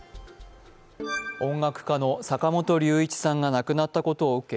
音楽家の坂本龍一さんが亡くなったことを受け